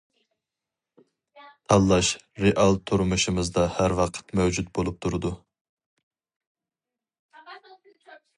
تاللاش رېئال تۇرمۇشىمىزدا ھەر ۋاقىت مەۋجۇت بولۇپ تۇرىدۇ.